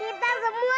kamu gak boleh begitu